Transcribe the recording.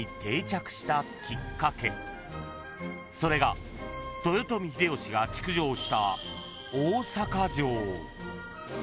［それが豊臣秀吉が築城した］